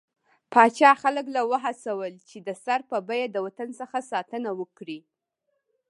پاچا خلک له وهڅول، چې د سر په بيه د وطن څخه ساتنه وکړي.